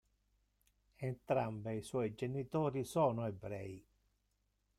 Entrambi i suoi genitori sono Ebrei.